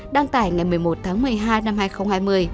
đăng tải ngày một mươi một tháng một mươi hai năm hai nghìn hai mươi